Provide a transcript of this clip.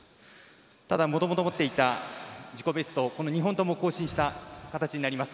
もともと持っていた自己ベストを２本とも更新した形になります。